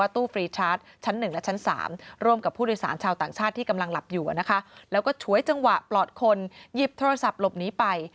ที่กำลังหลับอยู่แล้วก็ฉวยจังหวะปลอดคนหยิบโทรศัพท์หลบนี้ไป